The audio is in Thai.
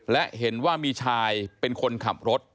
และเห็นว่ามีชายเป็นคนขับรถ